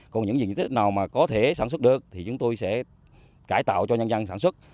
còn những diện tích nào mà có thể sản xuất được thì chúng tôi sẽ cải tạo cho nhân dân sản xuất